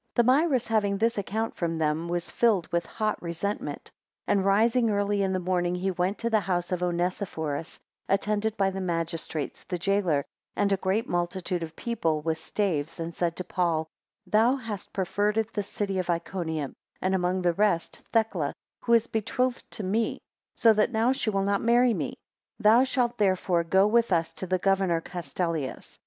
6 Thamyris having this account from them, was filled with hot resentment: 7 And rising early in the morning he went to the house of Onesiphorus, attended by the magistrates, the Jailor, and a great multitude of people with staves, and said to Paul; 8 Thou hast perverted the city of Iconium, and among the rest, Thecla, who is betrothed to me, so that now she will not marry me. Thou shalt therefore go with us to the governor Castellius.